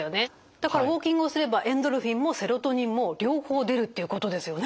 だからウォーキングをすればエンドルフィンもセロトニンも両方出るっていうことですよね。